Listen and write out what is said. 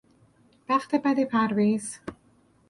بخت بد پرویز